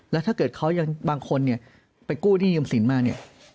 แล้วถ้าเกิดเขายังบางคนเนี่ยไปกู้นี่ยมสินมาเนี่ยเขาจะไปผ่อนชำระยังไง